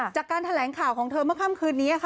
จากการแถลงข่าวของเธอเมื่อค่ำคืนนี้ค่ะ